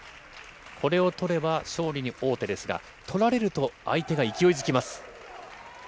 これを取れば勝利に王手ですが、取られると相手が勢いづきます。